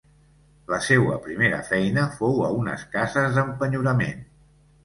La seua primera feina fou a unes cases d'empenyorament.